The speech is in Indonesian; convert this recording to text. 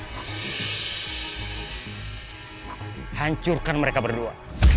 hai hancurkan mereka berdua